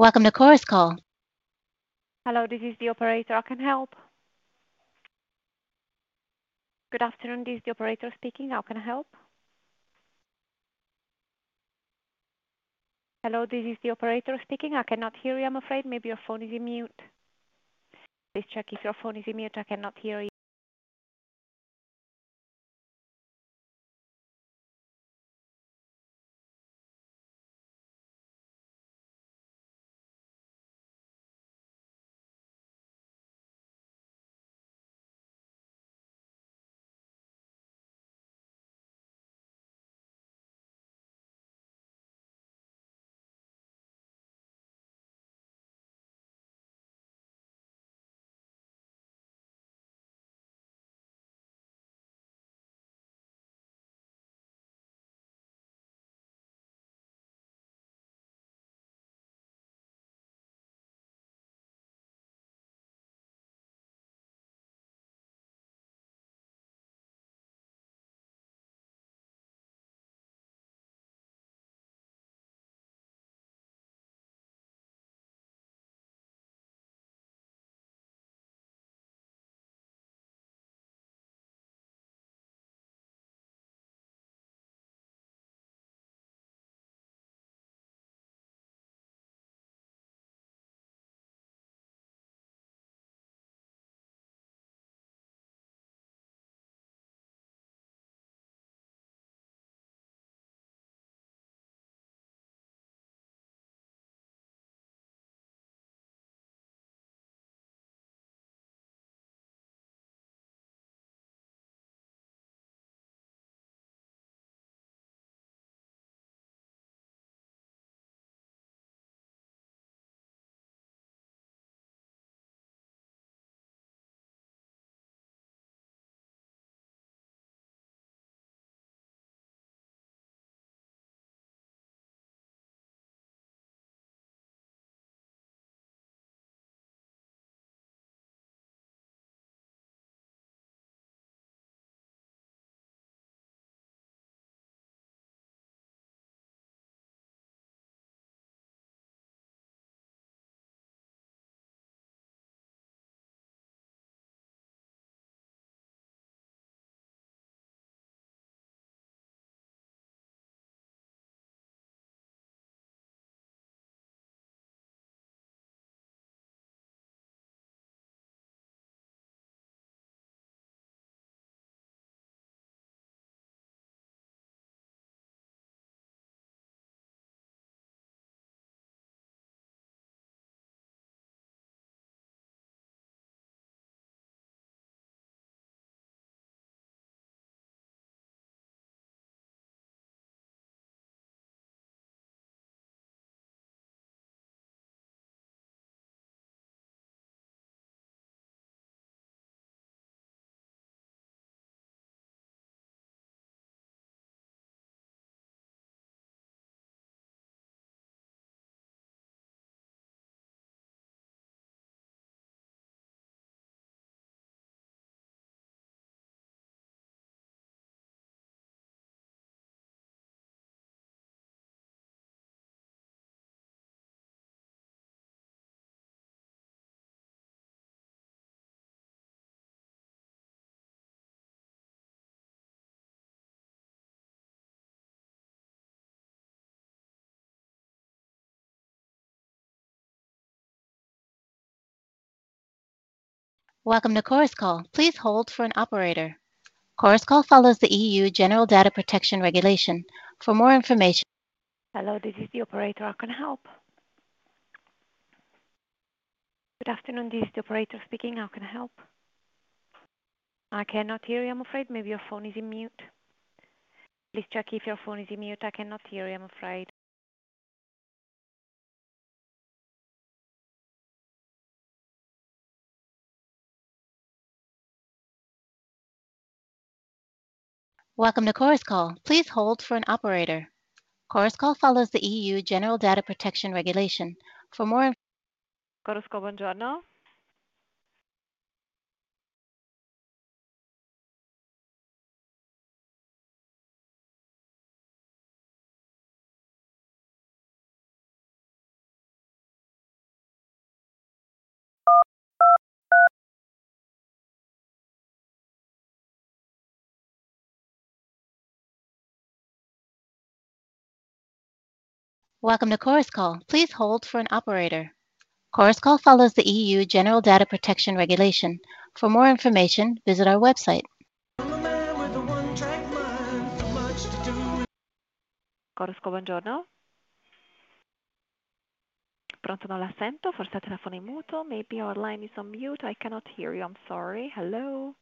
Welcome to Chorus Call. Hello, this is the operator. I can help. Good afternoon, this is the operator speaking. How can I help? Hello, this is the operator speaking. I cannot hear you, I'm afraid. Maybe your phone is in mute. Please check if your phone is in mute. I cannot hear you. Welcome to Chorus Call. Please hold for an operator. Chorus Call follows the EU General Data Protection Regulation. For more information. Hello, this is the operator. I can help. Good afternoon, this is the operator speaking. How can I help? I cannot hear you, I'm afraid. Maybe your phone is in mute. Please check if your phone is in mute. I cannot hear you, I'm afraid. Welcome to Chorus Call. Please hold for an operator. Chorus Call follows the EU General Data Protection Regulation. For more. You. Welcome to Chorus Call. Please hold for an operator. Chorus Call follows the EU General Data Protection Regulation. For more information, visit our website. Maybe our line is on mute. I cannot hear you. I'm sorry. Hello.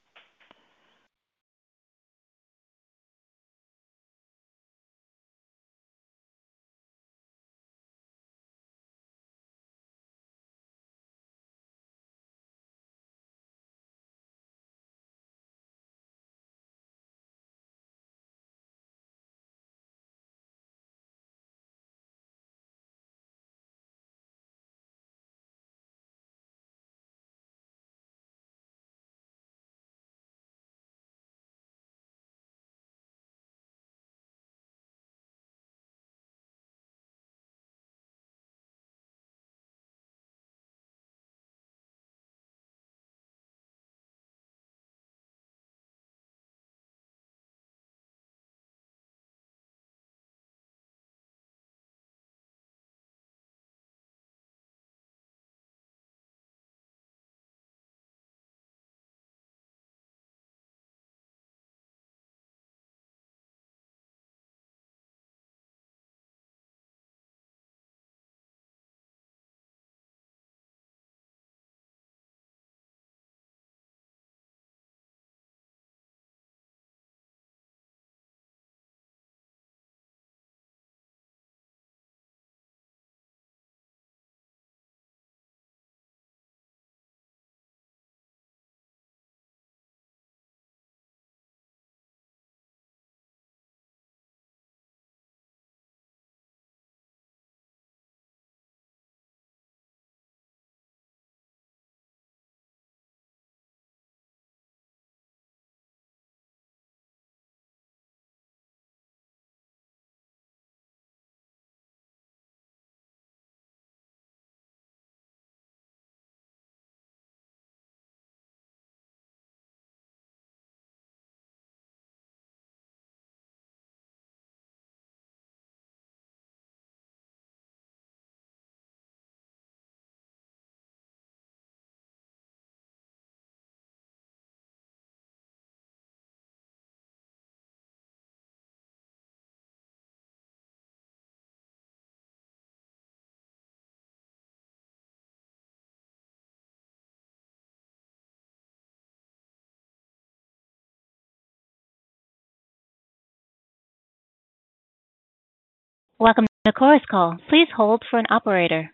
Welcome to Chorus Call. Please hold for an operator.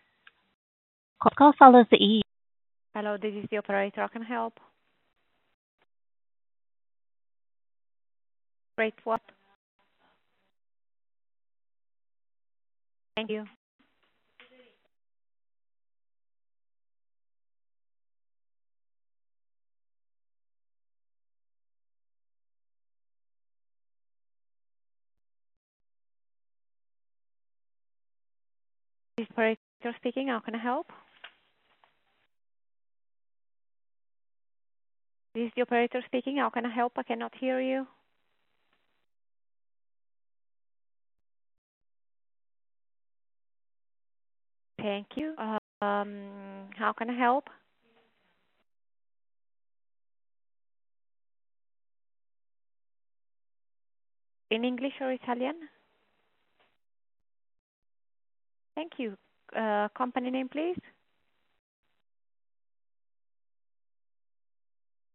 Chorus Call follows the EU. Hello, this is the operator. I can help. Great. What? Thank you. Speaking. How can I help? Is the operator speaking? How can I help? I cannot hear you. Thank you. How can I help? In English or Italian? Thank you. Company name please.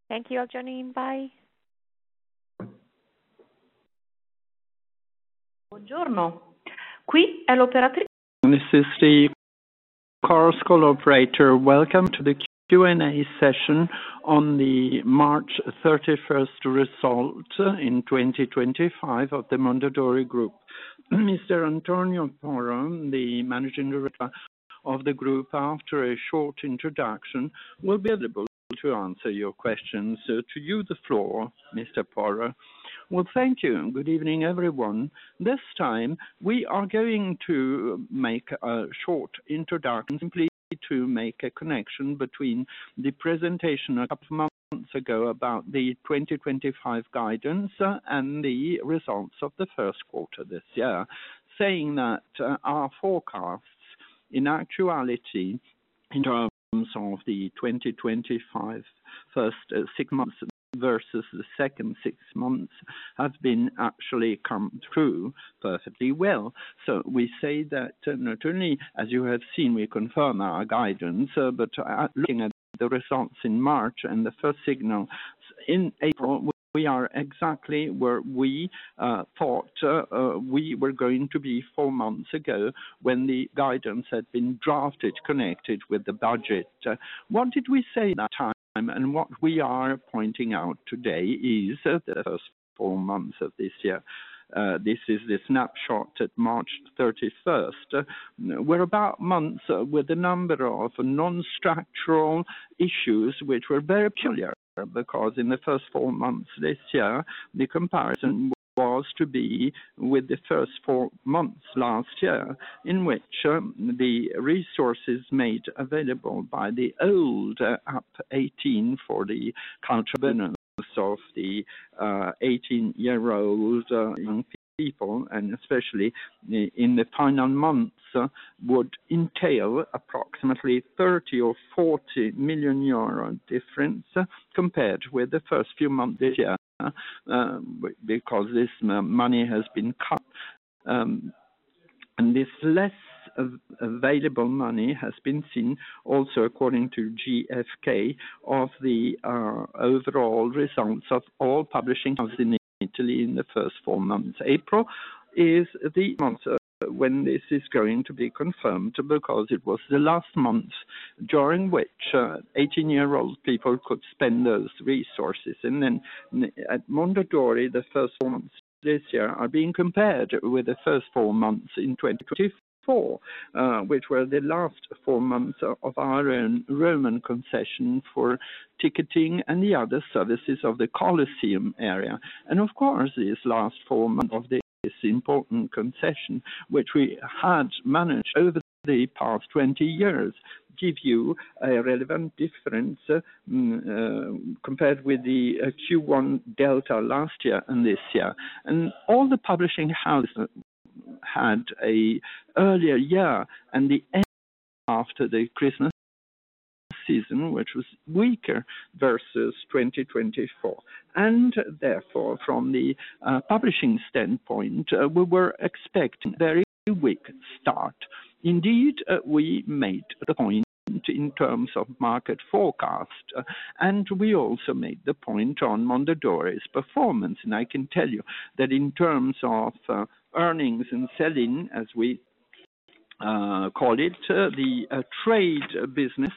Thank you all joining. Bye. Queen Eloperatri. This is the Chorus Call operator. Welcome to the Q and A session on the March 31 results in 2025 of the Mondadori Group. Mr. Antonio Porro, the Managing Director of the group, after a short introduction will be available to answer your questions. To you the floor, Mr. Porro. Thank you and good evening everyone. This time we are going to make a short introduction simply to make a connection between the presentation a couple of months ago about the 2025 guidance and the results of the first quarter this year, saying that our forecasts in actuality in terms of the 2025 first six months versus the second six months have actually come through perfectly well. We say that not only, as you have seen, we confirm our guidance. Looking at the results in March and the first signal in April, we are exactly where we thought we were going to be four months ago when the guidance had been drafted, connected with the budget. What did we say that time and what we are pointing out today is the first four months of this year. This is the snapshot at March 31st. We're about months with a number of non-structural issues which were very peculiar because in the first four months this year the comparison was to be with the first four months last year in which the resources made available by the old UP18 for the cultural burnout of the 18-year-old young people and especially in the final months would entail approximately 30 million-40 million euro difference compared with the first few months this year because this money has been cut and this less available money has been seen. Also, according to GfK, of the overall results of all publishing houses in Italy in the first four months, April is the month when this is going to be confirmed because it was the last month during which 18-year-old people could spend those resources. At Mondadori, the first four months this year are being compared with the first four months in 2024, which were the last four months of our own Roman concession for ticketing and the other services of the Colosseum area. These last four months of this important concession, which we had managed over the past 20 years, give you a relevant difference compared with the Q1 delta last year and this year, and all the publishing house had an earlier year and the end after the Christmas season, which was weaker versus 2024. Therefore, from the publishing standpoint, we were expecting a very weak start indeed. We made the point in terms of market forecast and we also made the point on Mondadori's performance. I can tell you that in terms of earnings and selling, as we call it, the trade business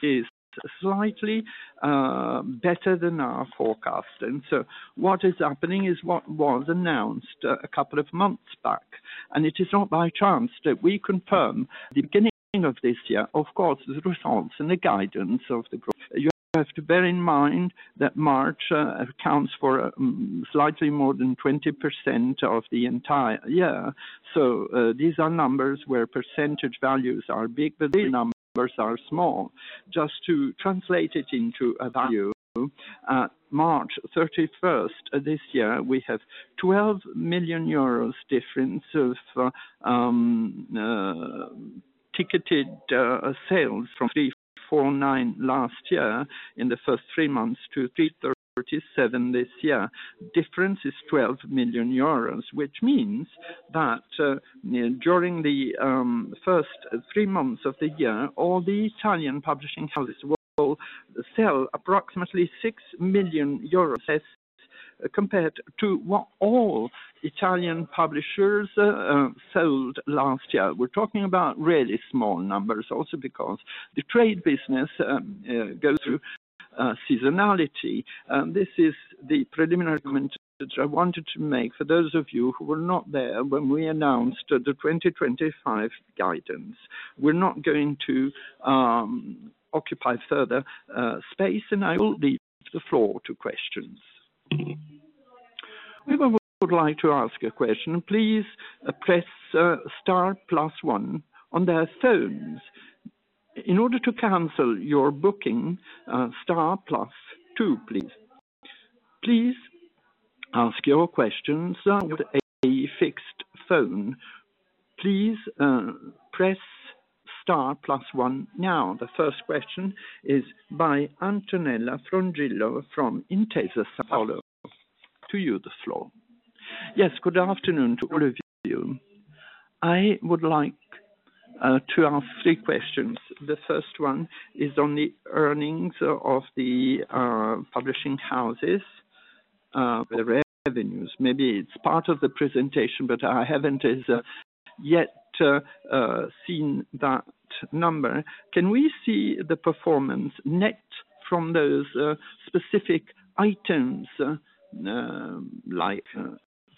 is slightly better than our forecast. What is happening is what was announced a couple of months back. It is not by chance that we confirm the beginning of this year, of course, the results and the guidance of the growth. You have to bear in mind that March accounts for slightly more than 20% of the entire year. These are numbers where percentage values are big, but the real numbers are small. Just to translate it into a value. March 31st this year we have 12 million euros difference of ticketed sales from 349 last year in the first three months to 337 this year, difference is 12 million euros. Which means that during the first three months of the year all the Italian publishing houses will sell approximately 6 million euros compared to what all Italian publishers sold last year. We're talking about really small numbers. Also because the trade business goes through seasonality. This is the preliminary I wanted to make. For those of you who were not there when we announced the 2025 guidance. We're not going to occupy further space. I will leave the floor to questions. We would like to ask a question. Please press star plus one on their phones in order to cancel your booking. star plus two, please. Please ask your questions. With a fixed phone, please press star plus one. Now the first question is by Antonella Frongillo from Intesa Sanpaolo to you the floor. Yes, good afternoon to all of you. I would like to ask three questions. The first one is on the earnings of the publishing houses revenues. Maybe it's part of the presentation, but I haven't yet seen that number. Can we see the performance net from those specific items, like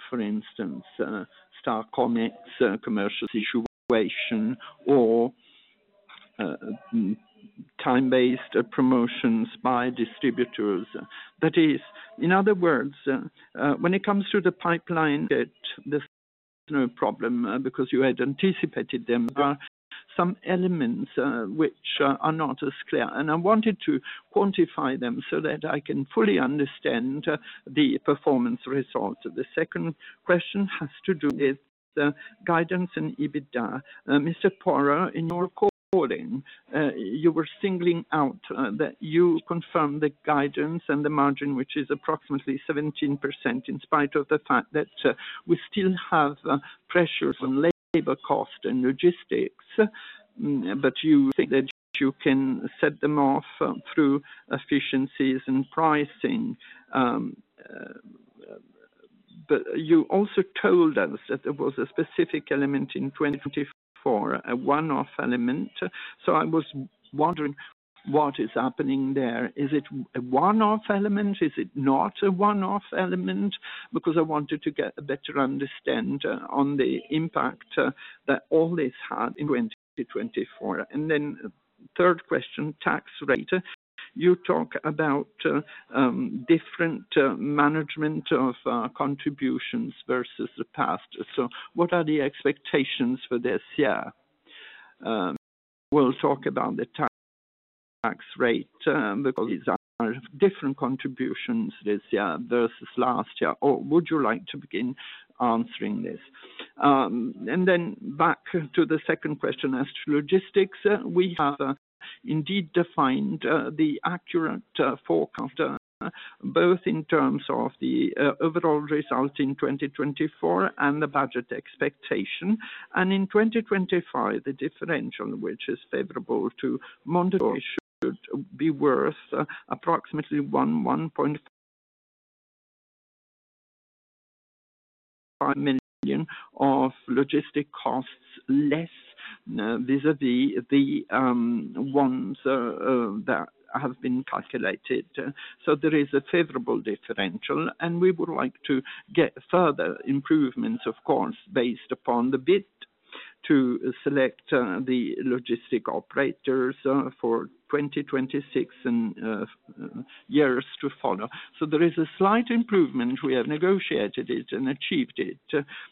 for instance Star Comics, commercial situation or time-based promotions by distributors? That is, in other words, when it comes to the pipeline, there's no problem, because you had anticipated them. There are some elements which are not as clear and I wanted to quantify them so that I can fully understand the performance result. The second question has to do with guidance and EBITDA. Mr. Porro, in your call you were singling out that you confirmed the guidance and the margin, which is approximately 17% in spite of the fact that we still have pressures on labor cost and logistics. You think that you can set them off through efficiencies and pricing. You also told us that there was a specific element in 2024, a one-off element. I was wondering what is happening there. Is it a one-off element? Is it not a one-off element? I wanted to get a better understanding on the impact that all this had in 2024. Third question, tax rate. You talk about different management of contributions versus the past. What are the expectations for this year? We will talk about the tax rate, because these are different contributions this year versus last year. Would you like to begin answering this? Back to the second question, as to logistics. We have indeed defined the accurate forecast both in terms of the overall result in 2024 and the budget expectation. In 2025, the differential which is favorable to Mondo should be worth approximately 1 million-1.5 million of logistic costs less vis a vis the ones that have been calculated. There is a favorable differential and we would like to get further improvements of course, based upon the bid to select the logistic operators for 2026 and years to follow. There is a slight improvement. We have negotiated it and achieved it.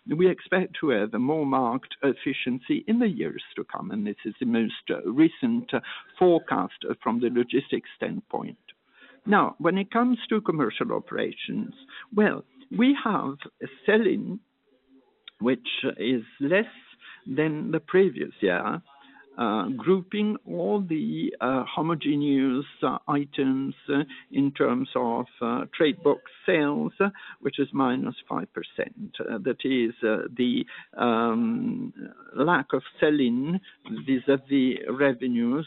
We want to have a more marked efficiency in the years to come. This is the most recent forecast from the logistics standpoint. Now, when it comes to commercial operations, we have a selling which is less than the previous year, grouping all the homogeneous items in terms of trade book sales, which is minus 5%. That is the lack of selling vis a vis revenues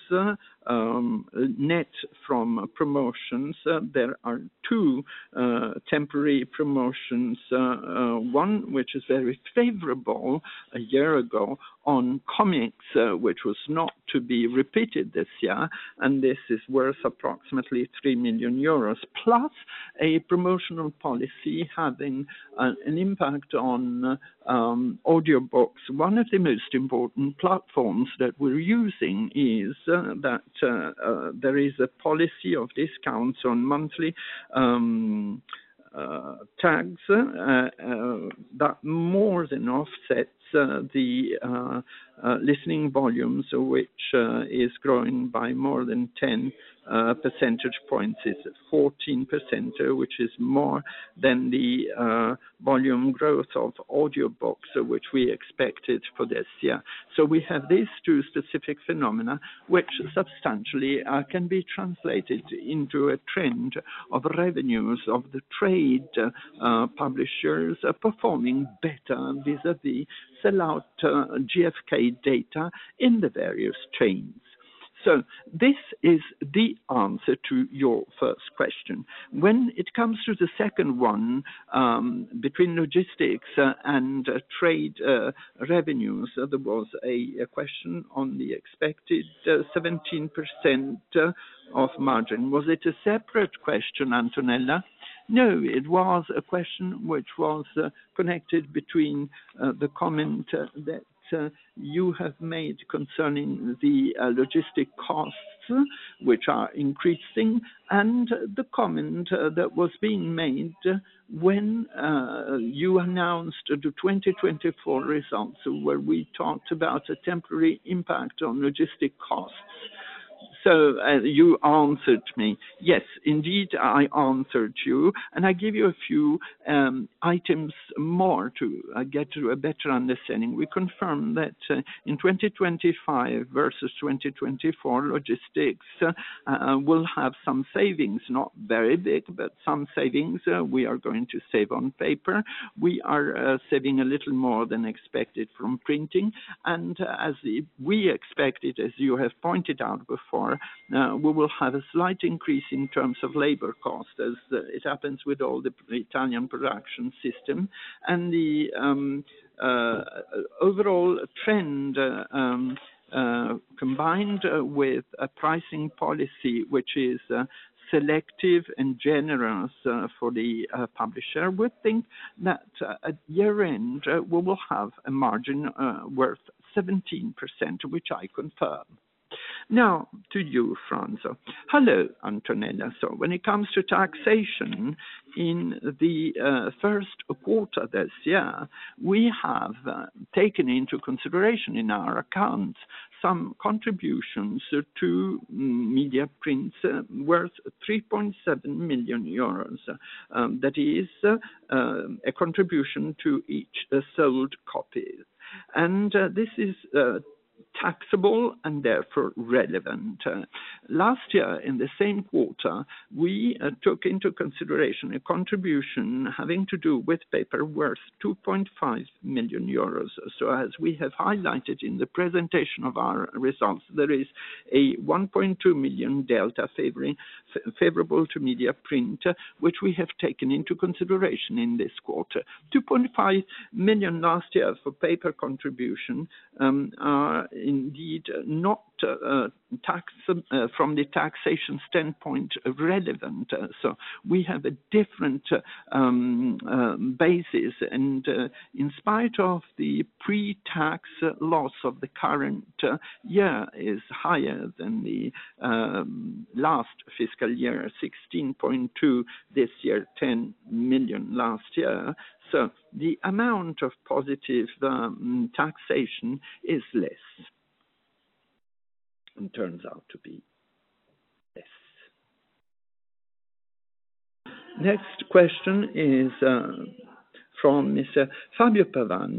net from promotions. There are two temporary promotions, one which is very favorable a year ago on comics, which was not to be repeated this year. This is worth approximately 3 million euros plus a promotional policy having an impact on audiobooks. One of the most important platforms that we are using is that there is a policy of discounts on monthly tags that more than offsets the listening volumes, which is growing by more than 10 percentage points, is 14%, which is more than the volume growth of audiobooks, which we expected. We have these two specific phenomena which substantially can be translated into a trend of revenues of the trade publishers performing better vis a vis sellout GfK data in the various chains. This is the answer to your first question. When it comes to the second one between logistics and trade revenues, there was a question on the expected 17% of margin. Was it a separate question, Antonella? No, it was a question which was connected between the comment that you have made concerning the logistic costs which are increasing, and the comment that was being made when you announced the 2024 results where we talked about a temporary impact on logistic. You answered me. Yes, indeed I answered you. I gave you a few items more to get to a better understanding. We confirmed that in 2025 versus 2024 logistics will have some savings, not very big, but some savings. We are going to save on paper. We are saving a little more than expected from printing. As we expected, as you have pointed out before, we will have a slight increase in terms of labor cost. As it happens with all the Italian production system and the overall trend, combined with a pricing policy which is selective and generous for the publisher, we think that at year end we will have a margin where 17% which I confirm now to Franzo. Hello, Antonella. When it comes to taxation in the first quarter this year we have taken into consideration in our account some contributions to media prints worth 3.7 million euros. That is a contribution to each sold copy and this is taxable and therefore relevant. Last year in the same quarter we took into consideration a contribution having to do with paper worth 2.5 million euros. As we have highlighted in the presentation of our results, there is a 1.2 million delta favorable to media print which we have taken into consideration in this quarter. 2.5 million last year for paper contribution are indeed not tax from the taxation standpoint relevant. We have a different basis and in spite of the pre-tax loss of the current year being higher than the last fiscal year, 16.2 million this year, 10 million last year. The amount of positive taxation is less and turns out to be less. Next question is from Mr. Fabio Pavan,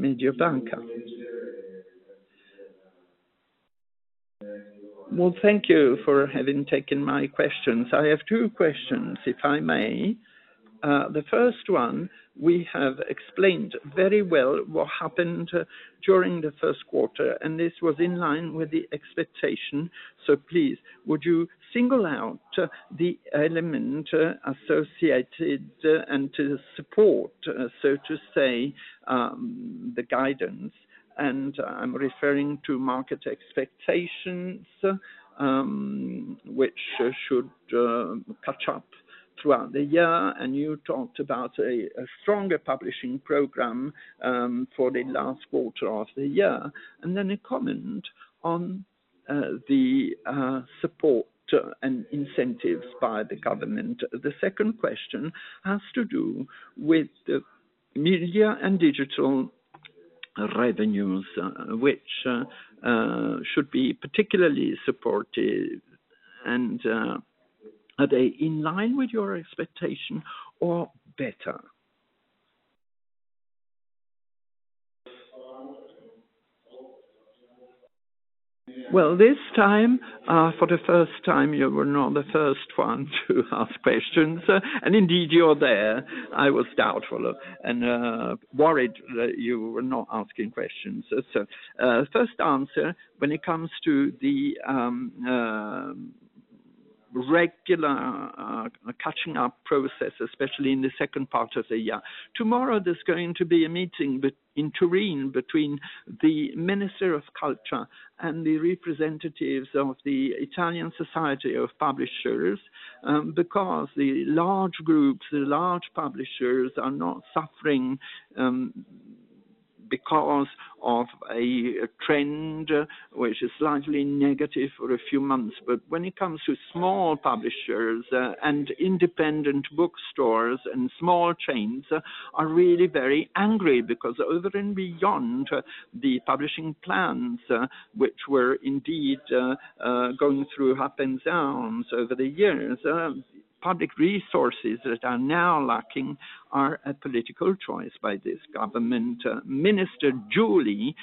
Mediobanca. Thank you for having taken my questions. I have two questions, if I may. The first one, you have explained very well what happened during the first quarter and this was in line with the expectation. Please would you single out the element associated and to support, so to say, the guidance. I am referring to market expectations which should catch up throughout the year. You talked about a stronger publishing program for the last quarter of the year. A comment on the support and incentives by the government. The second question has to do with media and digital revenues, which should be particularly supportive. Are they in line with your expectation or better? This time for the first time you were not the first one to ask questions and indeed you are there. I was doubtful and worried that you were not asking questions. First answer. When it comes to the regular catching up process, especially in the second part of the year, tomorrow there's going to be a meeting in Turin between the Minister of Culture and the representatives of the Italian Society of Publishers, because the large groups, the large publishers are not suffering because of a trend which is slightly negative for a few months, but when it comes to small publishers and independent bookstores and small chains are really very angry because over and beyond the publishing plans which were indeed going through up and downs over the years, public resources that are now lacking are a political choice by this government. Minister Giuli,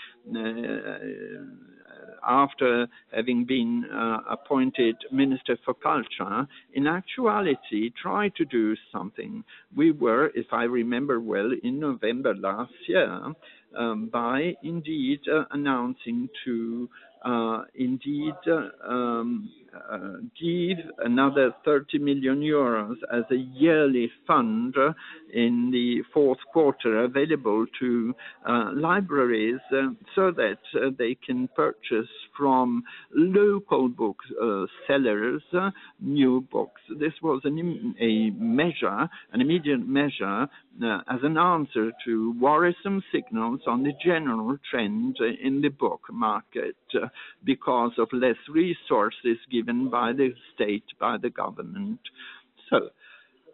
after having been appointed Minister for Culture, in actuality tried to do something. We were, if I remember well, in November last year by indeed announcing to indeed give another 30 million euros as a yearly fund in the fourth quarter available to libraries so that they can purchase from local booksellers new books. This was a measure, an immediate measure, as an answer to worrisome signals on the general trend in the book market because of less resources given by the state, by the government.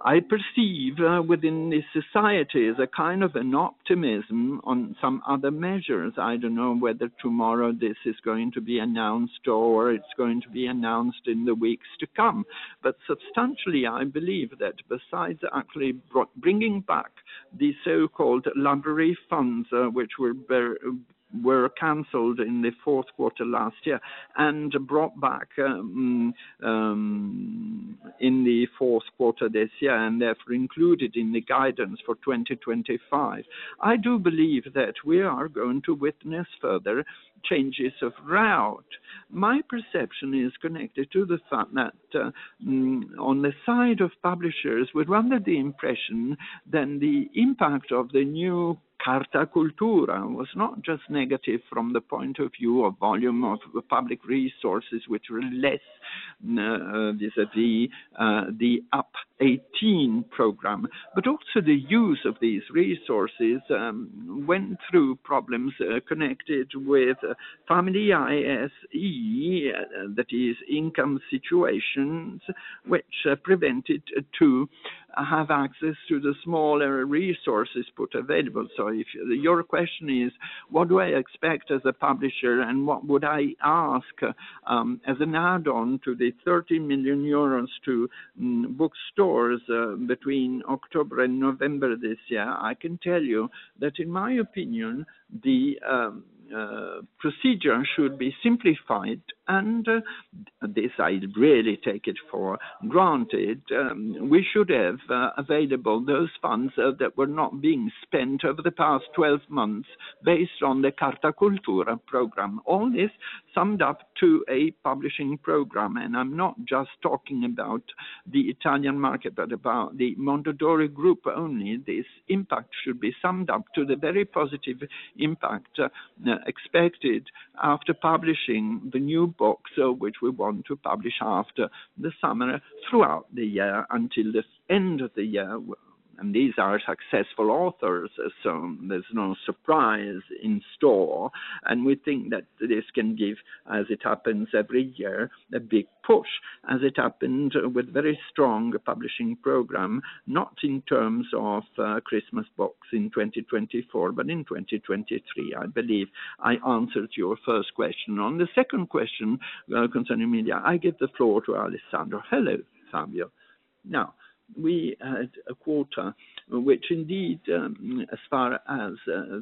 I perceive within the society as a kind of an optimism on some other measures. I don't know whether tomorrow this is going to be announced or it's going to be announced in the weeks to come, but substantially, I believe that besides actually bringing back the so-called library funds which were cancelled in the fourth quarter last year and brought back in the fourth quarter this year and therefore included in the guidance for 2025, I do believe that we are going to witness further changes of route. My perception is connected to the fact that on the side of publishers, we're under the impression that the impact of the new Carta Cultura was not just negative from the point of view of volume of public resources which relate to the UP18 program, but also the use of these resources went through problems connected with families, that is income situations which prevented access to the smaller resources put available. If your question is what do I expect as a publisher and what would I ask as an add-on to the 30 million euros to bookstores between October and November this year, I can tell you that in my opinion the procedure should be simplified and this I really take for granted. We should have available those funds that were not being spent over the past 12 months based on the Carta Cultura program, all this sums up to a publishing program. I'm not just talking about the Italian market, but about the Mondadori group only. This impact should be summed up to the very positive impact expected after publishing the new books which we want to publish after the summer, throughout the year, until the end of the year. These are successful authors. There's no surprise in store. We think that this can give, as it happens every year, a big push, as it happened, with very strong publishing program, not in terms of Christmas books in 2024, but in 2023. I believe I answered your first question. On the second question concerning media, I give the floor to Alessandro. Hello, Fabio. Now, we had a quarter which indeed, as far as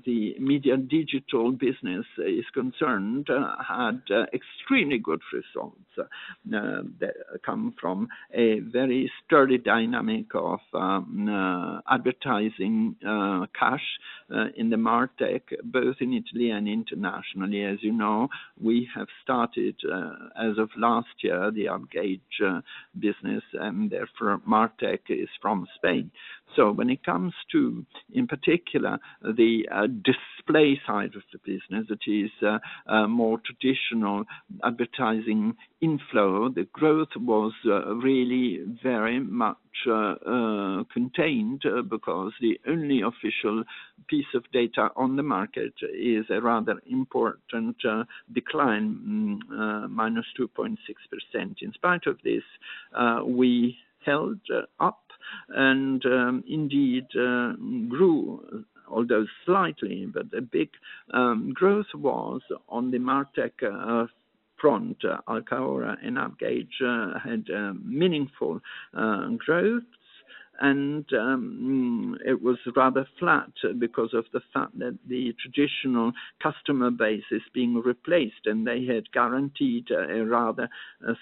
the media digital business is concerned, had extremely good results that come from a very sturdy dynamic of advertising cash in the MarTech, both in Italy and internationally. As you know, we have started as of last year, the Adgage business and therefore MarTech is from Spain. When it comes to in particular the display side of the business, that is more traditional advertising inflow, the growth was really very much contained because the only official piece of data on the market is a rather important decline, -2.6%. In spite of this, we held up and indeed grew, although slightly. The big growth was on the MarTech front. AdKaora and Adgage had meaningful growth and it was rather flat because of the fact that the traditional customer base is being replaced and they had guaranteed a rather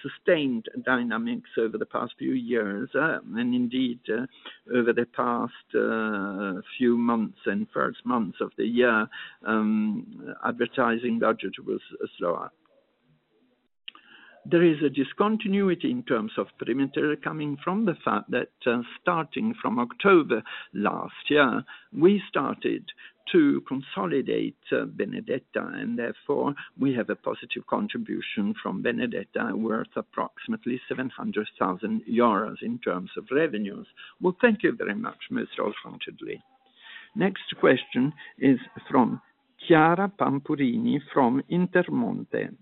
sustained dynamics over the past few years. Indeed over the past few months and first months of the year, advertising budget was slow up. There is a discontinuity in terms of premature coming from the fact that starting from October last year, we started to consolidate Benedetta and therefore we have a positive contribution from Benedetta worth approximately 700,000 euros in terms of revenue. Thank you very much, Mr. Alfons. Next question is from Chiara Pampurini from Intermonte.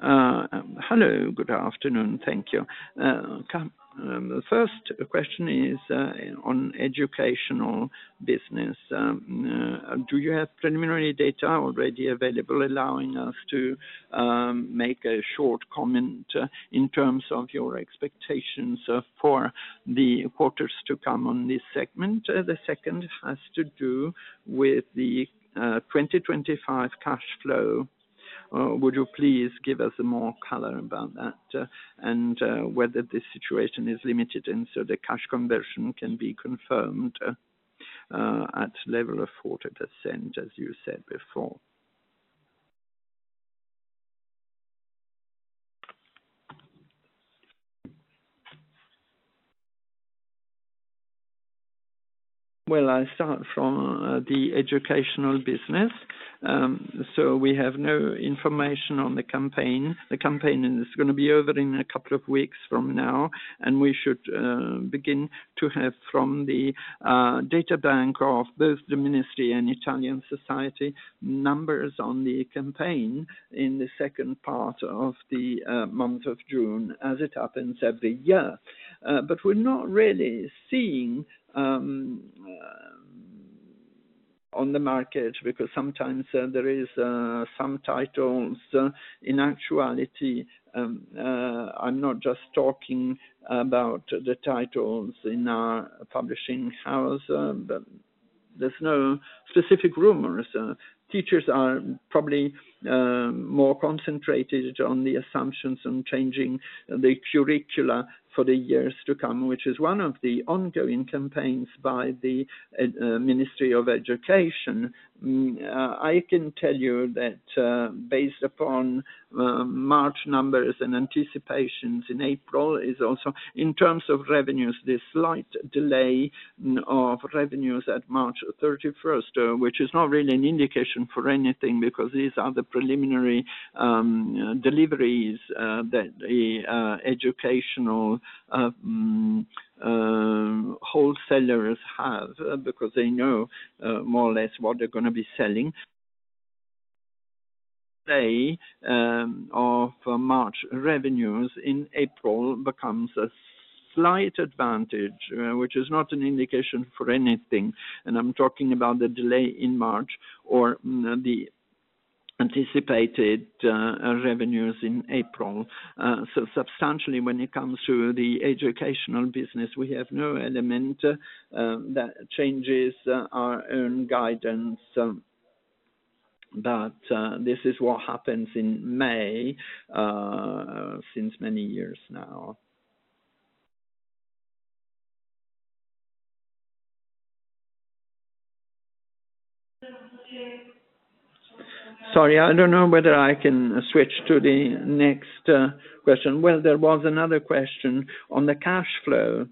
Hello, good afternoon. Thank you. The first question is on educational business. Do you have preliminary data already available, allowing us to make a short comment in terms of your expectations for the quarters to come on this segment. The second has to do with the 2025 cash flow. Would you please give us more color about that and whether this situation is limited and so the cash conversion can be confirmed at level of 40%, as you said before. I start from the educational business. We have no information on the campaign. The campaign is going to be over in a couple of weeks from now and we should begin to have from the data bank or of both the Ministry and Italian society numbers on the campaign in the second part of the month of June, as it happens every year. We are not really seeing on the market because sometimes there is some titles. In actuality, I'm not just talking about the titles in our publishing house, but there's no specific rumors. Teachers are probably more concentrated on the assumptions on changing the curricula for the years to come, which is one of the ongoing campaigns by the Ministry of Education. I can tell you that based upon March numbers and anticipations in April, also in terms of revenues, this slight delay of revenues at March 31st, which is not really an indication for anything because these are the preliminary deliveries that the educational wholesalers have because they know more or less what they're going to be selling of March revenues in April, becomes a slight advantage, which is not an indication for anything. I'm talking about the delay in March or the anticipated revenues in April. Substantially, when it comes to the educational business, we have no element that changes our own guidance. This is what happens in May since many years now. Sorry, I don't know whether I can switch to the next question. There was another question on the cash flow.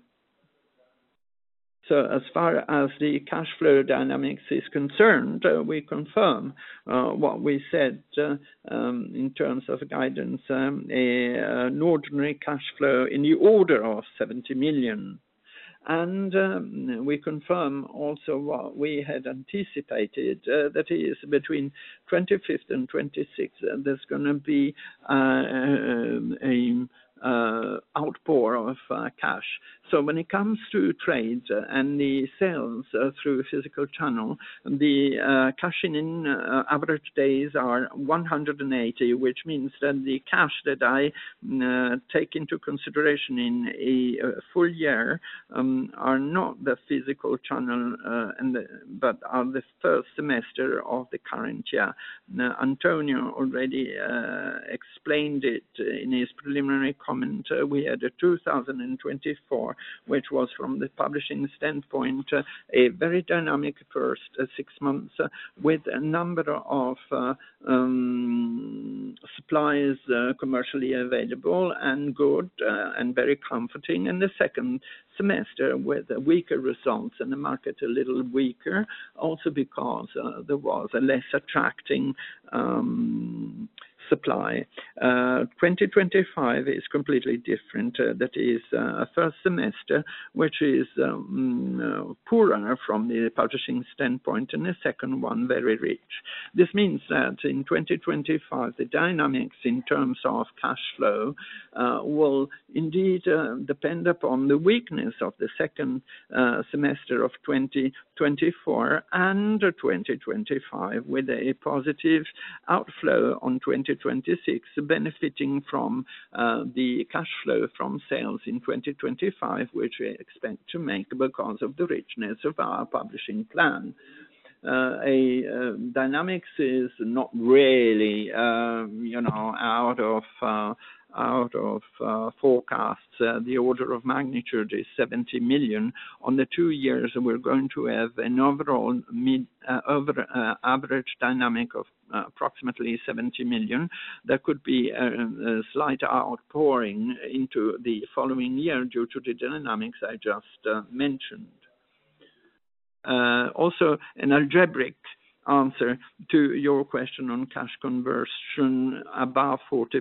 As far as the cash flow dynamics is concerned, we confirm what we said in terms of guidance, an ordinary cash flow in the order of 70 million. We confirm also what we had anticipated, that is, between 2025 and 2026 there is going to be an outpour of cash. When it comes to trade and the sales through physical channel, the cashing in average days are 180, which means that the cash that I take into consideration in a full year are not the physical channel, but are the first semester of the current year. Antonio already explained it in his preliminary comment. We had a 2024, which was from the publishing standpoint, a very dynamic first six months with a number of supplies commercially available and good and very comforting, and the second semester with weaker results and the market a little weaker also because there was a less attracting supply. 2025 is completely different. That is a first semester which is poorer from the publishing standpoint and the second one very rich. This means that in 2025 the dynamics in terms of cash flow will indeed depend upon the weakness of the second semester of 2024 and 2025 with a positive outflow on 2026 benefiting from the cash flow from sales in 2025, which we expect to make because of the richness of our publishing plan. A dynamics is not really, you know, out of forecasts. The order of magnitude is 70 million on the two years we're going to have an overall average dynamic of approximately 70 million. There could be a slight outpouring into the following year due to the dynamics I just mentioned. Also an algebraic answer to your question on cash conversion above 40%.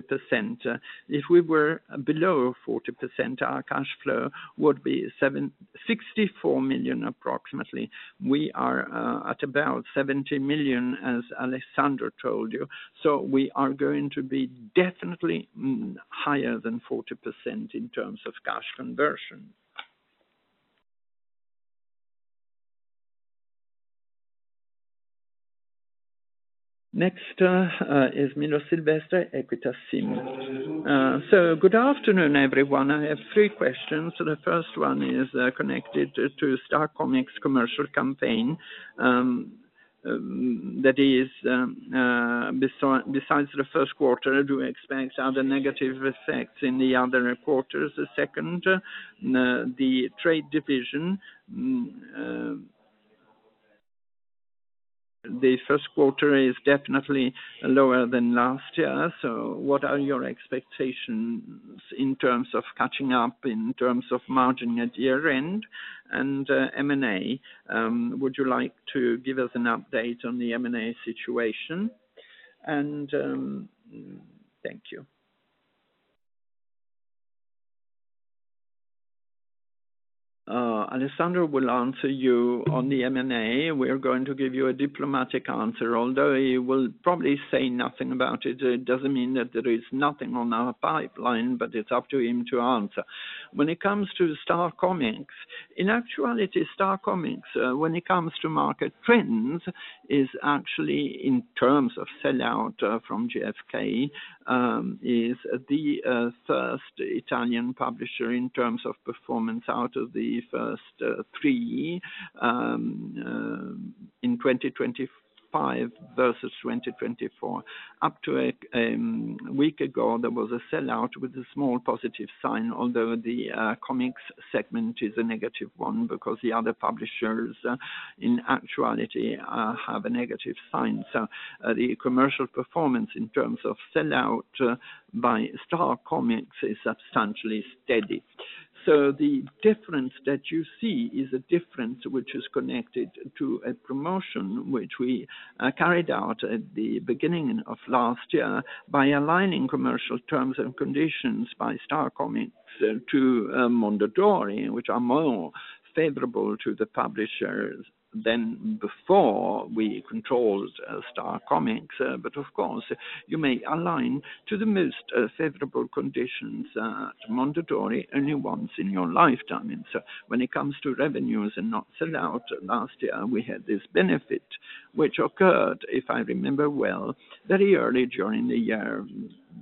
If we were below 40%, our cash flow would be 64 million. Approximately we are at about 70 million as Alessandro told you. So we are going to be definitely higher than 40% in terms of cash conversion. Next is Milo Silvestre, Equita Sim. Good afternoon everyone. I have three questions. The first one is connected to Star Comics commercial campaign that is besides the first quarter do you expect other negative in the other quarters. Second, the trade division, the first quarter is definitely lower than last year. What are your expectations in terms of catching up in terms of margin at year end and M&A? Would you like to give us an update on the M&A situation? Thank you. Alessandro will answer you on the M&A. We are going to give you a diplomatic answer, although he will probably say nothing about it. It does not mean that there is nothing on our pipeline, but it is up to him to answer. When it comes to Star Comics, in actuality, Star Comics, when it comes to Marvel trends, is actually, in terms of sellout from GfK, the first Italian publisher in terms of performance out of the first three in 2025 versus 2024. Up to a week ago there was a sellout with a small positive sign, although the comics segment is a negative one because the other publishers in actuality have a, the commercial performance in terms of sellout by Star Comics is substantially steady. The difference that you see is a difference which is connected to a promotion which we carried out at the beginning of last year by aligning commercial terms and conditions by Star Comics to Mondadori which are more favorable to the publisher than before we controlled Star Comics. Of course you may align to the most favorable conditions. Mondadori only once in your lifetime. When it comes to revenues and not sellout, last year we had this benefit which occurred, if I remember well, very early during the year,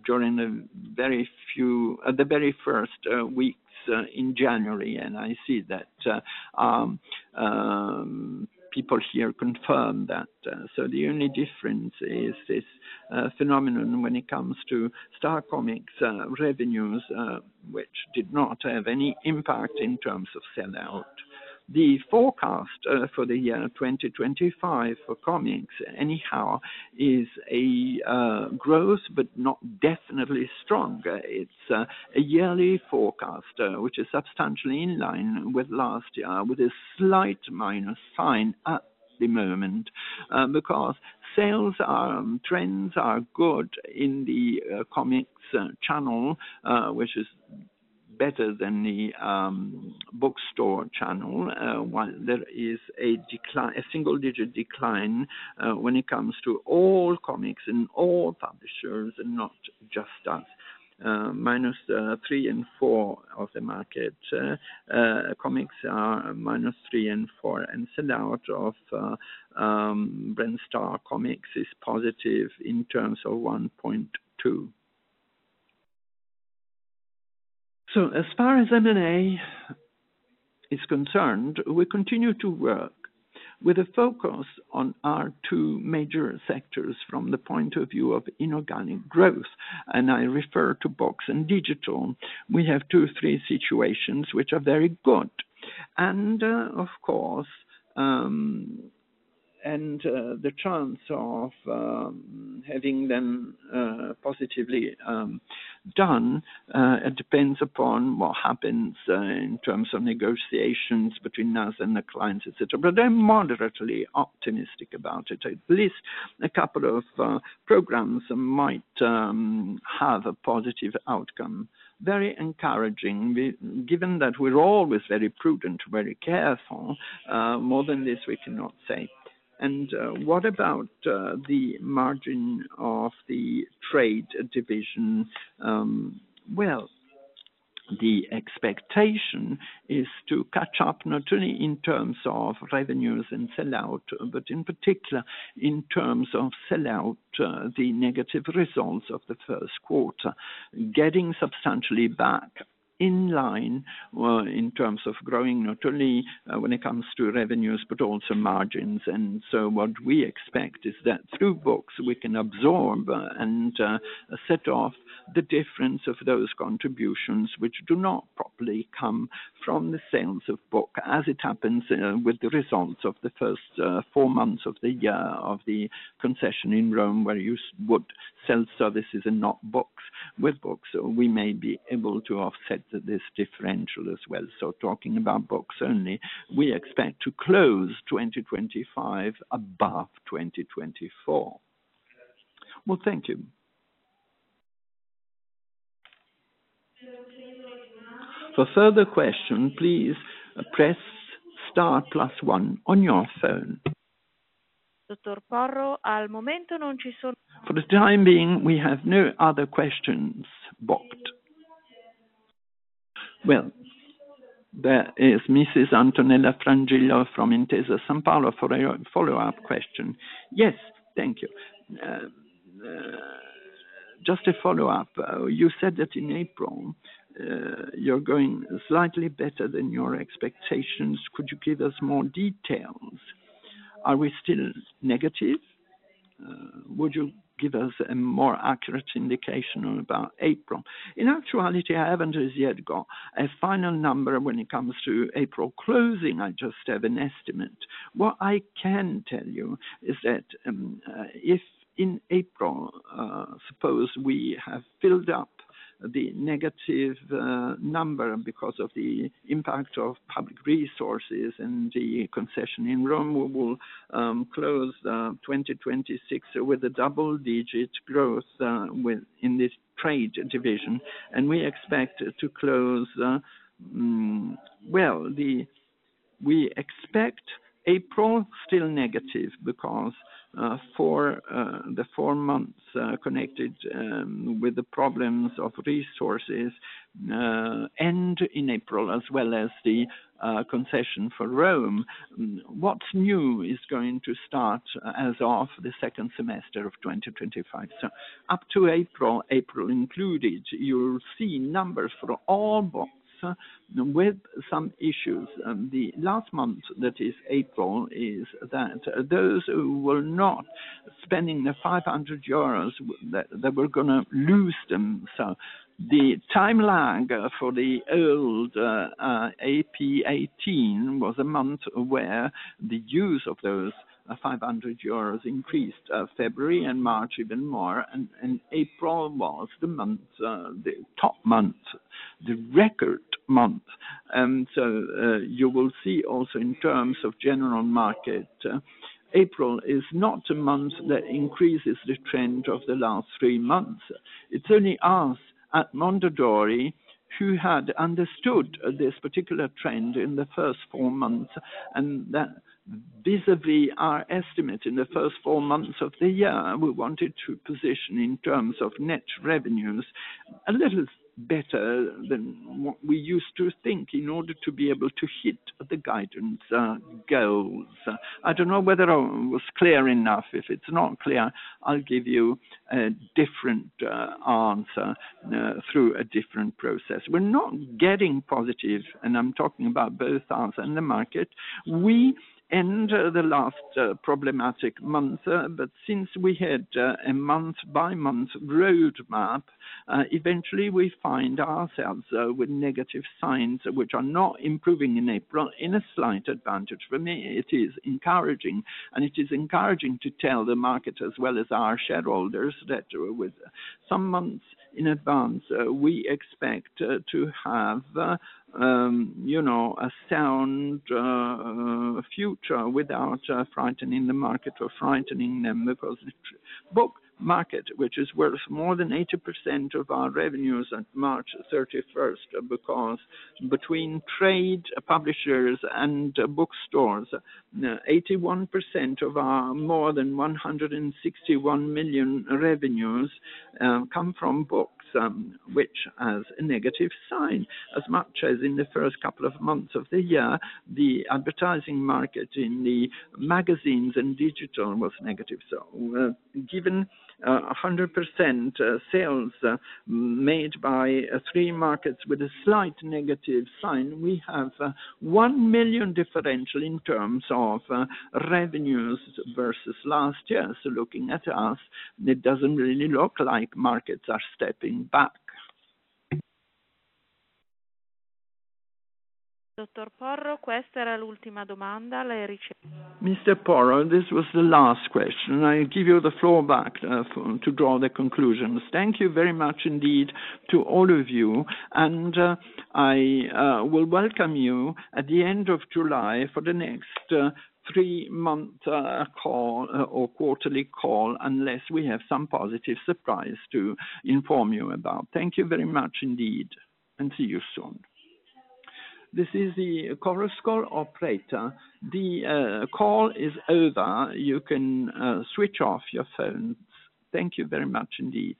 during the very first weeks in January. I see that people here confirm that. The only difference is this phenomenon when it comes to Star Comics revenues, which did not have any impact in terms of sellout. The forecast for the year 2025 for comics anyhow is a gross, but not definitely stronger. It is a yearly forecast which is substantially in line with last year, with a slight minor sign at the moment, because sales trends are good in the comics channel, which is better than the bookstore channel. There is a decline, a single-digit decline when it comes to all comics in all publishers and not just us, -3 and -4 of the market. Comics are -3 and -4 and sellout of brand. Star Comics is positive in terms of 1.2. As far as M&A is concerned, we continue to work with a focus on our two major sectors. From the point of view of inorganic growth, and I refer to books and digital, we have two, three situations which are very good and, of course, the chance of having them positively done depends upon what happens in terms of negotiations between us and the clients, etc. I am moderately optimistic about at least a couple of programs that might have a positive outcome. Very encouraging, given that we are always very prudent, very careful. More than this we cannot say. What about the margin of the trade division? The expectation is to catch up not only in terms of revenues and sellout, but in particular in terms of sellout. The negative results of the first quarter getting substantially back in line in terms of growing, not only when it comes to revenues, but also margins. What we expect is that through books we can absorb and set off the difference of those contributions which do not properly come from the sales of book. As it happens with the results of the first four months of the year of the concession in Rome, where you speak, would sell services and not books. With books we may be able to offset this differential as well. Talking about books only, we expect to close 2025 above 2024. Thank you. For further question, please press star one on your phone. Dr. Porro, al momento non ci sono further. this time, we have no other questions booked. There is Mrs. Antonella Frongillo from Intesa Sanpaolo for a follow-up question. Yes, thank you. Just a follow-up. You said that in April you are going slightly better than your expectations. Could you give us more detail? Are we still negative? Would you give us a more accurate indication about April? In actuality, I have not as yet got a final number when it comes to April closing. I just have an estimate. What I can tell you is that if in April, suppose we have filled up the negative number because of the impact of public resources and the concession in Rome, we will close 2026 with a double-digit growth within this trade division. We expect to close. We expect April still negative because for the four months connected with the progress of resources end in April as well as the concession for Rome, what's new is going to start as of the second semester of 2025. Up to April, April included, you'll see numbers for all books with some issues. The last month that is April is that those who were not spending the 500 euros, they were gonna lose them. The time lag for the old UP18 was a month where the use of those 500 euros increased February and March even more. April was the month, the top month, the record month. You will see on in terms of general market, April is not a month that increases the trend of the last three months. It's only us at Mondadori who had understood this particular trend in the first four months. That vis a vis our estimate in the first four months of the year, we wanted to position in terms of net revenues. That was better than what we used to think in order to be able to hit the guidance goals. I do not know whether I was clear enough. If it is not clear, I will give you a different answer through a different process. We are not getting positive and I am talking about both us and the market. We end the last problematic month. Since we had a month by month road up, eventually we find ourselves with negative signs which are not improving in April. In a slight advantage for me, it is encouraging, and it is encouraging to tell the market as well as our shareholders that some months in advance we expect to have, you know, a sound future without frightening the market or frightening them. Because the book market, which is worth more than 80% of our revenues on March 31st, because between trade publishers and bookstores, 81% of our more than 161 million revenues come from books, which has a negative sign. As much as in the first couple of months of the year, the advertising market in the magazines and digital was negative. Given 100% sales made by three markets with a slight negative sign. We have 1 million differential in terms of revenues versus last year. Looking at us, it does not really look like markets are stepping back. Dr. Porro, questa. Mr. Porro, this was the last question. I give you the floor back to draw the conclusions. Thank you very much indeed to all of you and I will welcome you at the end of July for the next three month call or quarterly call, unless we have some positive surprise to inform you about. Thank you very much indeed and see you soon. This is the Chorus Call operator. The call is over. You can switch off your phone. Thank you very much indeed.